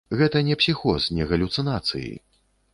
Гэта не псіхоз, не галюцынацыі.